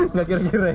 nggak kira kira ya